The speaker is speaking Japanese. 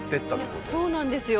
そうなんですよ。